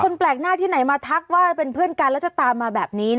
แปลกหน้าที่ไหนมาทักว่าเป็นเพื่อนกันแล้วจะตามมาแบบนี้